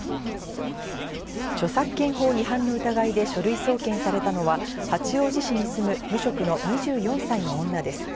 著作権法違反の疑いで書類送検されたのは、八王子市に住む無職の２４歳の女です。